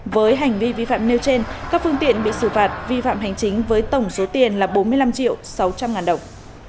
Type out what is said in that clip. với hành vi vi phạm nêu trên các phương tiện bị xử phạt vi phạm hành chính với tổng số tiền là bốn mươi năm triệu sáu trăm linh ngàn đồng